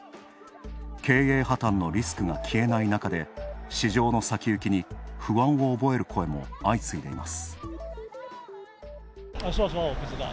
経営破たんのリスクが消えない中で市場の先行きに不安を覚える声も相次いでいます。